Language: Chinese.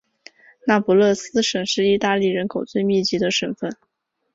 那不勒斯省是意大利人口最密集的省份。